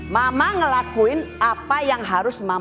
mama ngelakuin apa yang harus mama